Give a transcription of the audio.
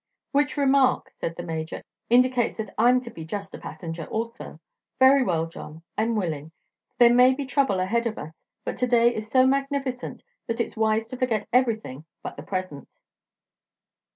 "Which remark," said the Major, "indicates that I'm to be just a passenger also. Very well, John; I'm willing. There may be trouble ahead of us, but to day is so magnificent that it's wise to forget everything but the present."